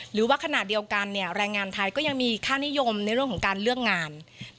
หรือว่าขณะเดียวกันแรงงานไทยก็ยังมีค่านิยมในเรื่องของการเลือกงาน